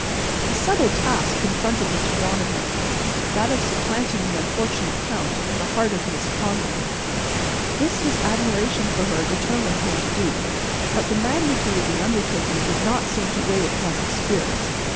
A subtle task confronted Mr. Donovan,—that of supplanting the unfortunate Count in the heart of Miss Conway. This his admiration for her determined him to do. But the magnitude of the undertaking did not seem to weigh upon his spirits.